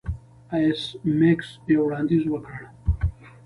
ایس میکس یو وړاندیز وکړ